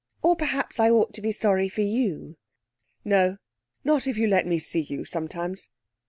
'Or perhaps I ought to be sorry for you?' 'No, not if you let me sec you sometimes.'